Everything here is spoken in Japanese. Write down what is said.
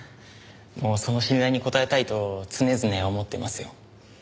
もうその信頼に応えたいと常々思っていますよ。